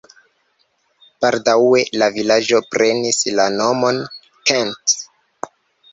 Baldaŭe la vilaĝo prenis la nomon Kent.